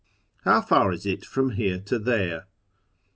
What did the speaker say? How far is it from here to there